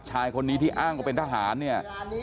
ชายคนนี้ที่อ้างว่าเป็นทหารเนี่ย